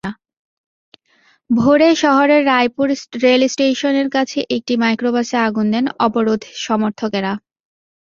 ভোরে শহরের রায়পুর রেলস্টেশনের কাছে একটি মাইক্রোবাসে আগুন দেন অবরোধ সমর্থকেরা।